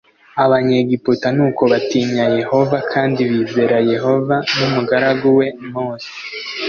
abanyegiputa nuko batinya yehova kandi bizera yehova n umugaragu we mose